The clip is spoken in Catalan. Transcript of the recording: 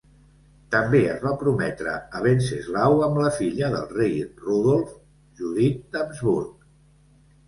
També es va prometre a Venceslau amb la filla del rei Rodolf Judit d'Habsburg.